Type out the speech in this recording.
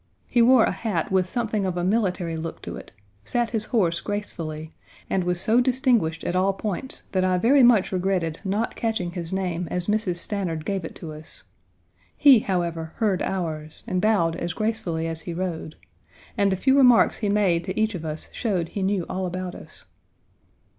He wore a hat with something of a military look to it, sat his horse gracefully, and was so distinguished at all points that I very much regretted not catching his name as Mrs. Stanard gave it to us. He, however, heard ours, and bowed as gracefully as he rode, and the few remarks he made to each of us showed he knew all about us.